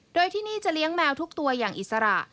โดยที่นี่จะเลี้ยงแมวทุกตัวอย่างอิสระ